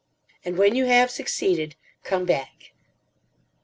"And when you have succeeded, come back."